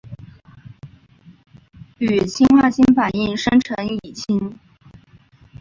与氰化氢反应生成乙腈。